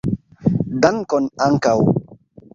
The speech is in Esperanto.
Dankon ankaŭ